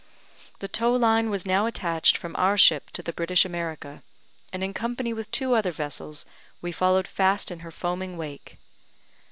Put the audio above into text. The tow line was now attached from our ship to the British America, and in company with two other vessels, we followed fast in her foaming wake.